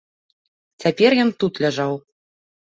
Цяпер ён тут ляжаў.